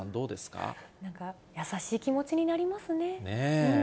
なんか、優しい気持ちになりねぇ。